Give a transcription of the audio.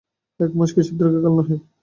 এক মাস কিছু দীর্ঘকাল নহে।